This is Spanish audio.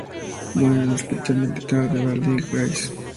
Murió en el Hospital Militar de Val-de-Grâce.